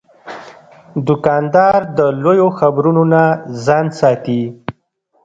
دوکاندار د لویو خبرو نه ځان ساتي.